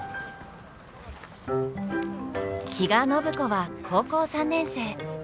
比嘉暢子は高校３年生。